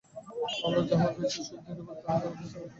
আমরা মানুষকে যাহা কিছু সুখ দিতে পারি, তাহা ক্ষণস্থায়ী মাত্র।